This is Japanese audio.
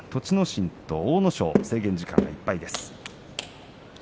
心と阿武咲制限時間がいっぱいです。